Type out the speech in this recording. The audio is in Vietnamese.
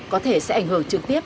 có thể sẽ ảnh hưởng trực tiếp